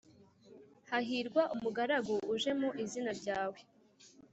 hahirwa umugaragu uje mu izina ryawe